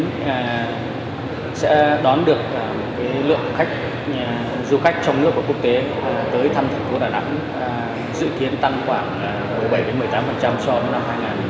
chúng tôi sẽ đón được lượng du khách trong nước và quốc tế tới thăm thành phố đà nẵng dự kiến tăng khoảng bảy một mươi tám so với năm hai nghìn một mươi bảy